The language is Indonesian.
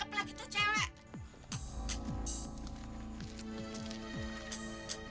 nggak mungkin lah